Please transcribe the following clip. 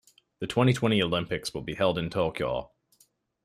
The twenty-twenty Olympics will be held in Tokyo.